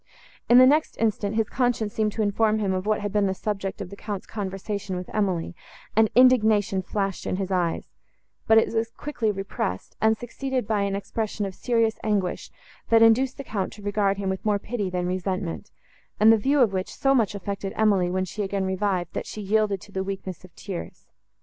In the next instant, his conscience seemed to inform him of what had been the subject of the Count's conversation with Emily, and indignation flashed in his eyes; but it was quickly repressed, and succeeded by an expression of serious anguish, that induced the Count to regard him with more pity than resentment, and the view of which so much affected Emily, when she again revived, that she yielded to the weakness of tears.